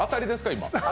今。